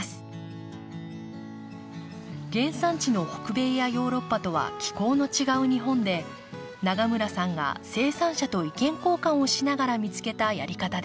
原産地の北米やヨーロッパとは気候の違う日本で永村さんが生産者と意見交換をしながら見つけたやり方です。